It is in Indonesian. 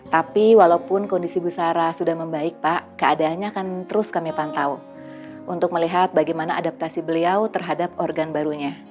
tapi walaupun kondisi busara sudah membaik pak keadaannya akan terus kami pantau untuk melihat bagaimana adaptasi beliau terhadap organ barunya